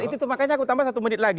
itu makanya aku tambah satu menit lagi